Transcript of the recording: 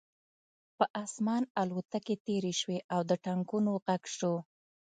په آسمان الوتکې تېرې شوې او د ټانکونو غږ شو